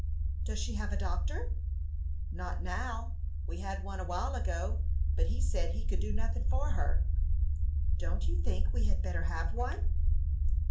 "Does she have a doctor?" "Not now; we had one a while ago, but he said he could do nothing for her." "Don't you think we had better have one?"